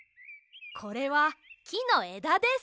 これはきのえだです。